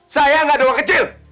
saya gak ada uang kecil